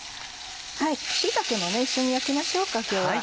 椎茸も一緒に焼きましょうか今日は。